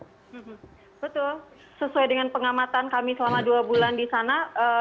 betul sesuai dengan pengamatan kami selama dua bulan disana